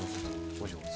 お上手